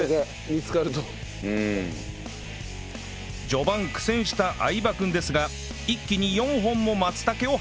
序盤苦戦した相葉くんですが一気に４本も松茸を発見